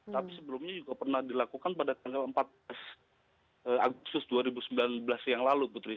tapi sebelumnya juga pernah dilakukan pada tanggal empat belas agustus dua ribu sembilan belas yang lalu putri